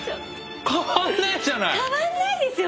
変わんないですよ